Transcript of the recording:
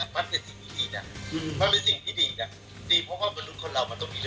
มันเป็นสิ่งที่ดีนะมันเป็นสิ่งที่ดีนะ